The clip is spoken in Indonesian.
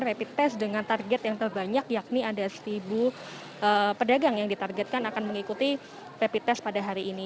rapi tes dengan target yang terbanyak yakni ada seribu pedagang yang ditargetkan akan mengikuti rapi tes pada hari ini